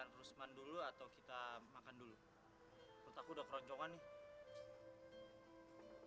rusman dulu atau kita makan dulu aku udah keronjongan nih